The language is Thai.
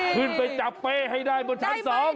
เข้าไปจับเป๊ให้ได้บนชั้นสอง